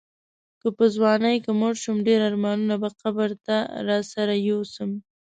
که په ځوانۍ کې مړ شوم ډېر ارمانونه به قبر ته راسره یوسم.